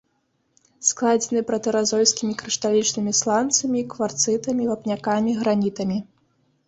Складзены пратэразойскімі крышталічнымі сланцамі, кварцытамі, вапнякамі, гранітамі.